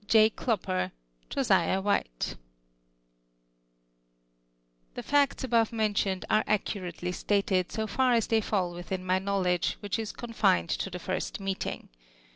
Jno. Clopper, Josiaii While The facts alHJve mentioned, are accurately stated, so fu" as they fill within my knowledgx*, which is confined to tlie first meeting